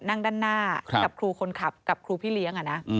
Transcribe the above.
นั่งด้านหน้ากับครูคนขับกับครูพี่เลี้ยง